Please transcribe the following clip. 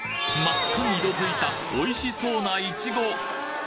真っ赤に色づいたおいしそうないちご